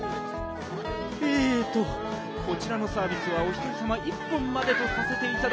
えっとこちらのサービスはおひとりさま１本までとさせていただき。